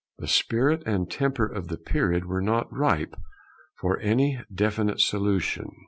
The spirit and temper of the period were not ripe for any definite solution.